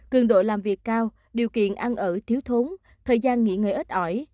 cường độ làm việc cao điều kiện ăn ở thiếu thốn thời gian nghỉ ngơi ít ỏi